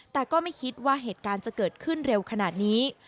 แต่ก็ไม่คิดว่าเหตุการณ์จะเกิดขึ้นเร็วขนาดนี้